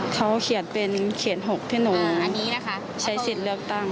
เขาเขียนเป็นเขต๖ที่หนูใช้สิทธิ์เลือกตั้ง